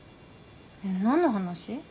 何の話？